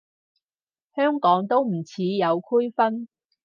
香港都唔似有區分